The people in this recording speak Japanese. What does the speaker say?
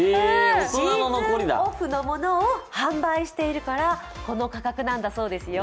シーズンオフのものを販売しているからこの価格なんだそうですよ。